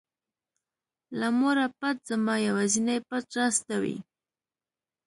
له موره پټ زما یوازینى پټ راز ته وې.